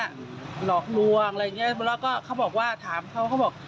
หลอกลวงอะไรอย่างเงี้ยแล้วก็เขาบอกว่าถามเขาเขาบอก